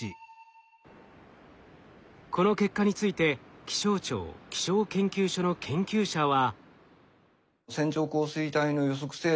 この結果について気象庁気象研究所の研究者は。